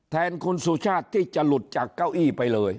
แทนคุณสุชาติที่จะหลุดจากเก้าอี้ไปเลย